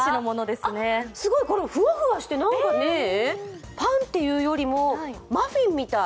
すごい、ふわふわして、なんかパンというよりもマフィンみたい。